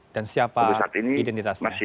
dan siapa identitasnya